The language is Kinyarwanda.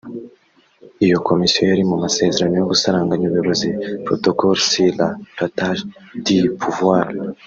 iyo komosiyo yari mu masezerano yo gusaranganya ubuyobozi (Protocole sur le partage du Pouvoir